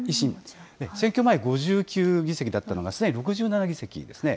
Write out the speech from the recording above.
選挙前、５９議席だったのが、すでに６７議席ですね。